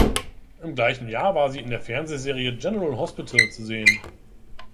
Im gleichen Jahr war sie in der Fernsehserie "General Hospital" zu sehen.